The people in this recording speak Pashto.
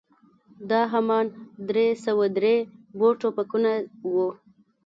دا همان درې سوه درې بور ټوپکونه وو.